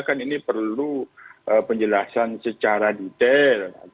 kan ini perlu penjelasan secara detail